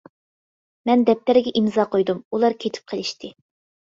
مەن دەپتەرگە ئىمزا قويدۇم، ئۇلار كېتىپ قېلىشتى.